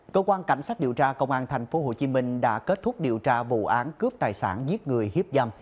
cơ quan cảnh sát điều tra công an tp hcm đã kết thúc điều tra vụ án cướp tài sản giết người hiếp dâm